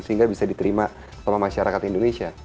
sehingga bisa diterima sama masyarakat indonesia